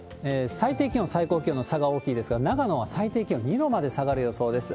最低気温、最高気温の差が大きいですが、長野は最低気温２度まで下がる予想です。